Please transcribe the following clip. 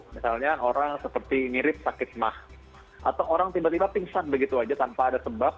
misalnya orang seperti mirip sakit mah atau orang tiba tiba pingsan begitu aja tanpa ada sebab